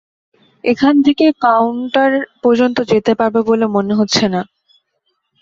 এখান থেকে উঠে কাউন্টার পর্যন্ত যেতে পারব বলে মনে হচ্ছে না।